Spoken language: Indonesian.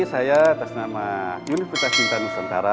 saya atas nama universitas cinta nusantara